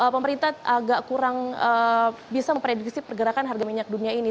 pemerintah agak kurang bisa memprediksi pergerakan harga minyak dunia ini